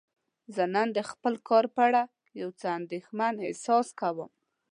زه نن د خپل کار په اړه یو څه اندیښمن احساس کوم.